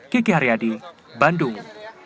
kiki haryadi bandung